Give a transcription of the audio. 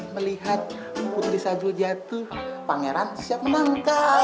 melihat putri sajul jatuh pangeran siap menangkap